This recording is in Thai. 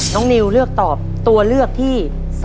นิวเลือกตอบตัวเลือกที่๒